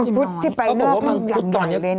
มังคุดที่ไปเหลืออย่างใหญ่